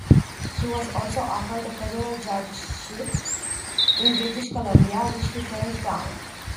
He was also offered a federal judgeship in British Columbia, which he turned down.